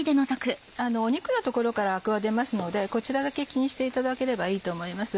肉の所からアクは出ますのでこちらだけ気にしていただければいいと思います。